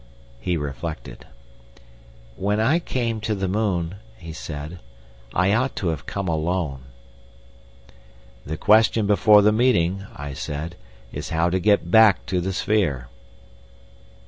He reflected. "When I came to the moon," he said, "I ought to have come alone." "The question before the meeting," I said, "is how to get back to the sphere."